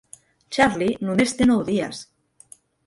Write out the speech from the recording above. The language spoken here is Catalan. Charlie només té nou dies…